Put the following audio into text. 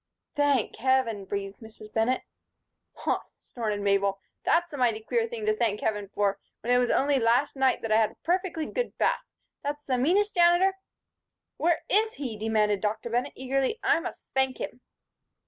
"Thank Heaven!" breathed Mrs. Bennett. "Huh!" snorted Mabel, "that's a mighty queer thing to thank Heaven for, when it was only last night that I had a perfectly good bath. That's the meanest Janitor " "Where is he?" demanded Dr. Bennett, eagerly. "I must thank him."